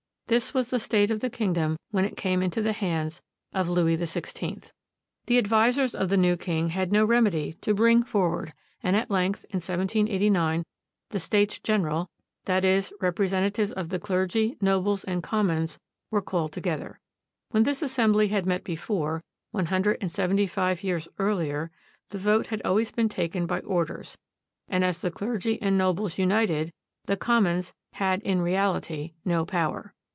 This was the state of the kingdom when it came into the hands of Louis XVI. The advisers of the new king had no remedy to bring forward, and at length, in 1789, the States General, that is, representatives of the clergy, nobles, and commons, were called together. When this assembly had met before, one hundred and seventy five years earlier, the vote had always been taken by orders, and as the clergy and nobles united, the commons had in reality no power.